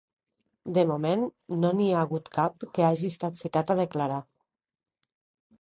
De moment, no n’hi ha hagut cap que hagi estat citat a declarar.